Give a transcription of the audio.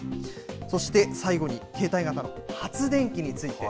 そして、最後に携帯型の発電機について。